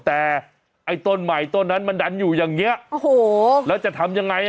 แต่ไอ้ต้นใหม่ต้นนั้นมันดันอยู่อย่างเงี้ยโอ้โหแล้วจะทำยังไงอ่ะ